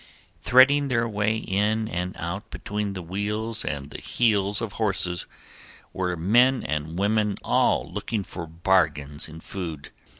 Threading their way in and out between the wheels and the heels of horses, were men and women, all looking for bargains in food.